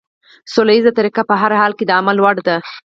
سوله ييزه طريقه په هر حال کې د عمل وړ ده.